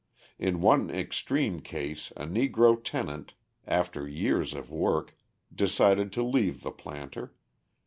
In one extreme case a Negro tenant, after years of work, decided to leave the planter.